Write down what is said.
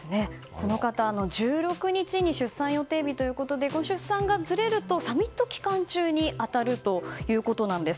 この方、１６日に出産予定日ということでご出産がずれるとサミット期間中に当たるということなんです。